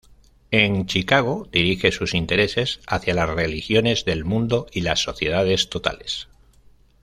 En Chicago dirige sus intereses hacia las religiones del mundo y las sociedades totales.